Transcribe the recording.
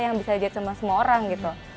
yang bisa dilihat sama semua orang gitu